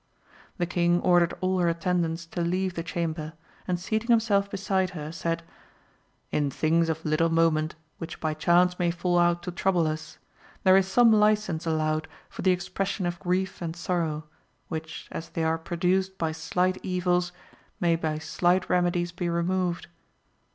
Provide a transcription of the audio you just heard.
The king ordered all her attendants to leave the chamber, and seating himself beside her, said, In things of little moment which by chance may fall out to trouble us, there is some licence allowed for the expression of grief and sorrow, which as they are produced by slight evils may by slight remedies be removed.